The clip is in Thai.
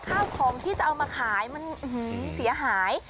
ข้าวของที่จะเอามาขายมันเสียหาย